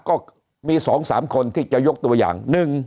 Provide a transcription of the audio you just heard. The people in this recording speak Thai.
ก็มี๒๓คนที่จะยกตัวอย่าง